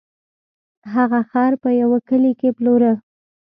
هغه خر په یوه کلي کې پلوره.